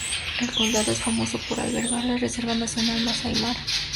El condado es famoso por albergar la reserva nacional Masái Mara.